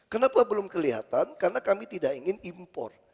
kenapa belum kelihatan karena kami tidak ingin impor